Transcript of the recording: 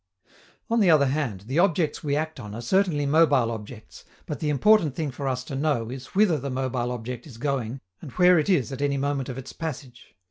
_ On the other hand, the objects we act on are certainly mobile objects, but the important thing for us to know is whither the mobile object is going and where it is at any moment of its passage.